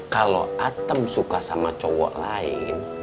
kalau atem suka sama cowok lain